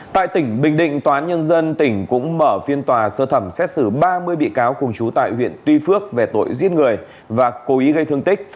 tại tỉnh bình định tòa án nhân dân tỉnh cũng mở phiên tòa sơ thẩm xét xử ba mươi bị cáo cùng chú tại huyện tuy phước về tội giết người và cố ý gây thương tích